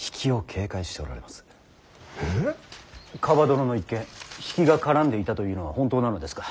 蒲殿の一件比企が絡んでいたというのは本当なのですか。